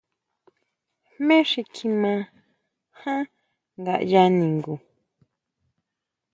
¿Jméni xi kjima jan ngaya ningu?